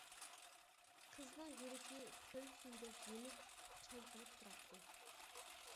قىزنىڭ يۈرىكى كۆل سۈيىدەك يېنىك چايقىلىپ تۇراتتى.